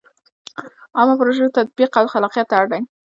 عامه پروژو تطبیق او خلاقیت ته اړ دی.